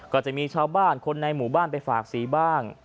ก็จะมีชาวบ้านคนในหมู่บ้านไปฝากสีบ้าง